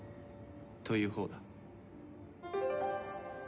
というほうだ。